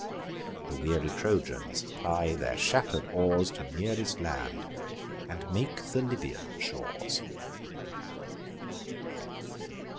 The weary Trojans ply their shatter'd oars To nearest land, and make the Libyan shores.